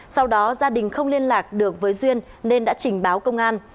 sau đó gia đình không liên lạc được với duyên nên đã trình báo công an